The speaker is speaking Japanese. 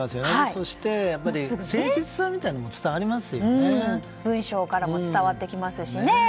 そして、誠実さみたいなものも文章からも伝わってきますしね。